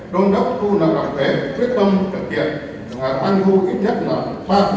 đồng đất thu là đạo thuế quyết tâm trở kiện an thu ít nhất là ba